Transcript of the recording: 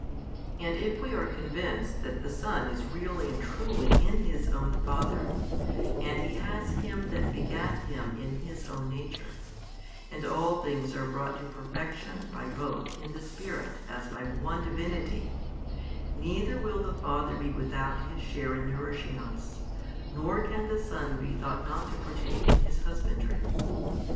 And if we are convinced that the Son is really and truly in His own Father, and He has Him that begat Him in His own nature, and all things are brought to perfection by Both in the Spirit as by One Divinity, neither will the Father be without His share in nourishing us, nor can the Son be thought not to partake in His husbandry.